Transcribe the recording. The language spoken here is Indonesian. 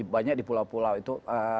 banyak di pulau pulau itu